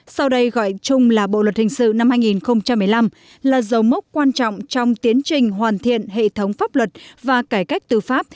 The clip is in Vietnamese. sau đây gọi chung là bộ luật hình sự năm hai nghìn một mươi năm là dấu mốc quan trọng trong tiến trình hoàn thiện hệ thống pháp luật và cải cách tư pháp